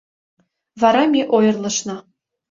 Вара ме ойырлышна.